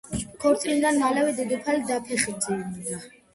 ქორწილიდან მალევე დედოფალი დაფეხმძიმდა.